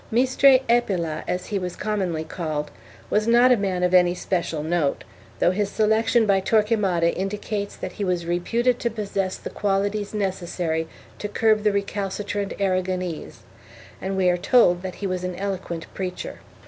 Maestre Epila, as he was commonly called, was not a man of any special note, though his selection by Torquernada indicates that he was reputed to possess the qualities necessary to curb the recalcitrant Aragonese, and we are told that he was an eloquent preacher.